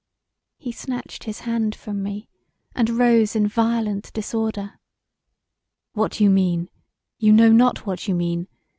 He snatched his hand from me, and rose in violent disorder: "What do you mean? You know not what you mean.